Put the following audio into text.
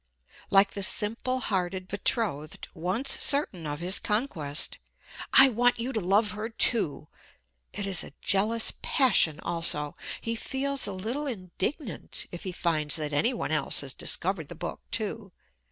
Like the simple hearted betrothed, once certain of his conquest, "I want you to love her, too!" It is a jealous passion also. He feels a little indignant if he finds that any one else has discovered the book, too.